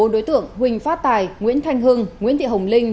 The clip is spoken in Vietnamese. bốn đối tượng huỳnh phát tài nguyễn thanh hưng nguyễn thị hồng linh